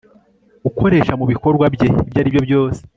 ukoresha mu bikorwa bye ibyo ari byose